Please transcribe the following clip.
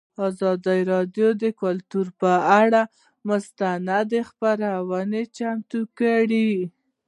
ازادي راډیو د کلتور پر اړه مستند خپرونه چمتو کړې.